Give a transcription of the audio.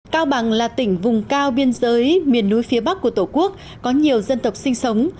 cao bằng là tỉnh vùng cao biên giới miền núi phía bắc của tổ quốc có nhiều dân tộc sinh sống